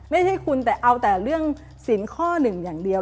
ไม่ใช่คุณแต่เอาแต่เรื่องสินข้อหนึ่งอย่างเดียว